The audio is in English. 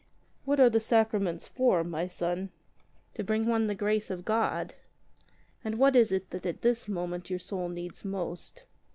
"What are the Sacraments for, my son?" "To bring one the grace of God." "And what is it that at this moment your soul needs most